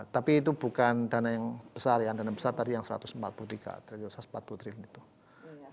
tapi itu bukan dana yang besar ya dana besar tadi yang rp satu ratus empat puluh tiga triliun